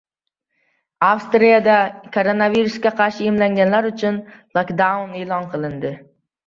Avstriyada koronavirusga qarshi emlanmaganlar uchun lokdaun joriy etildi